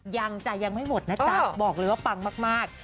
จ้ะยังไม่หมดนะจ๊ะบอกเลยว่าปังมาก